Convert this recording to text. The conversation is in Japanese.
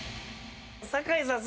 酒井さん